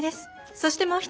そしてもう一人。